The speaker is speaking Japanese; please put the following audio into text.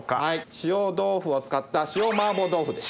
塩豆腐を使った塩麻婆豆腐です。